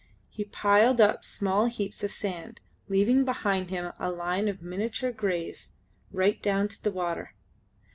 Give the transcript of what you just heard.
He piled up small heaps of sand, leaving behind him a line of miniature graves right down to the water.